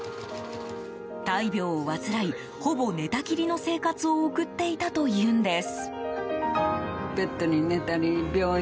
大病を患い、ほぼ寝たきりの生活を送っていたというんです。